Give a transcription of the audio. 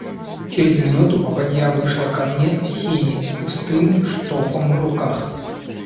Через минуту попадья вышла ко мне в сени с пустым штофом в руках.